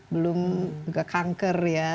belum juga kanker ya